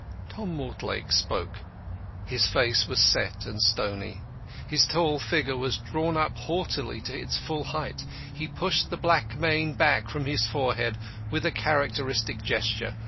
Tom Mortlake spoke. His face was set and stony. His tall figure was drawn up haughtily to its full height. He pushed the black mane back from his forehead with a characteristic gesture.